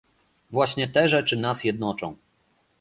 Właśnie te rzeczy nas jednoczą